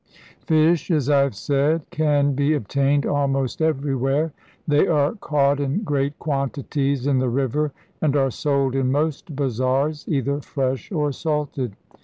Fish, as I have said, can be obtained almost everywhere. They are caught in great quantities in the river, and are sold in most bazaars, either fresh or salted.